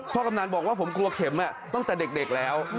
กำนันบอกว่าผมกลัวเข็มตั้งแต่เด็กแล้ว